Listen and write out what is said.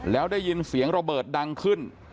แล้วได้ยินเสียงระเบิดดังขึ้น